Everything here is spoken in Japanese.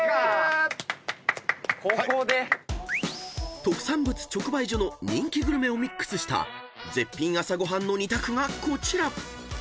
［特産物直売所の人気グルメをミックスした絶品朝ご飯の２択がこちら］